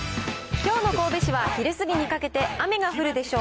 きょうの神戸市は、昼過ぎにかけて雨が降るでしょう。